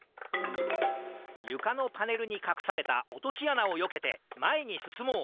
ゆかのパネルにかくされたおとしあなをよけてまえにすすもう！